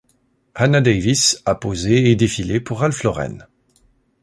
Hannah Davis a posé et défilé pour Ralph Lauren.